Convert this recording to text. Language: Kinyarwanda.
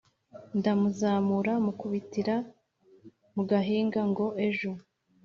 ndamuzamura mukubitira mu gahinga ngo ejo